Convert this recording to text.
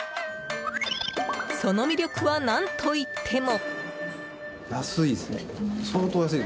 その魅力は何といっても。